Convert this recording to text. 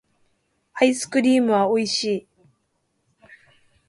アイスクリームはおいしい